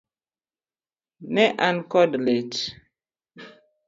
Ne an kod lit.